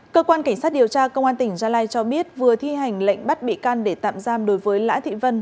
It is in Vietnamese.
cơ quan cảnh sát điều tra công an tỉnh gia lai cho biết vừa thi hành lệnh bắt bị can để tạm giam đối với lã thị vân